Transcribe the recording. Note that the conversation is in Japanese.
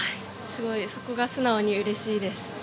そこが素直にうれしいです。